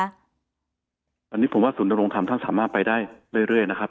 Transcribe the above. อันนี้ผมว่าศูนยรงธรรมท่านสามารถไปได้เรื่อยนะครับ